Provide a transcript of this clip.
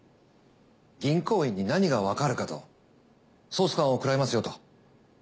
銀行員に何がわかるかと総スカンをくらいますよと。